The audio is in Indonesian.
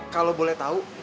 kalau boleh tau